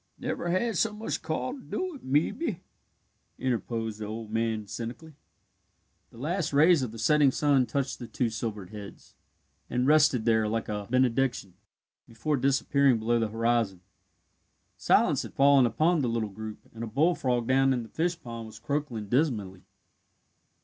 "Never had so much call to do it, mebbe," interposed the old man cynically. The last rays of the setting sun touched the two silvered heads, and rested there like a benediction, before disappearing below the horizon. Silence had fallen upon the little group, and a bullfrog down in the fishpond was croaking dismally.